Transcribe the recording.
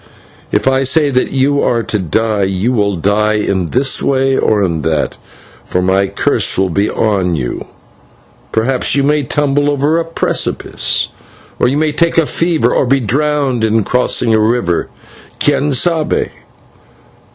If I say that you are to die, you will die in this way or in that, for my curse will be on you. Perhaps you may tumble over a precipice, or you may take a fever, or be drowned in crossing a river, /quien sabe!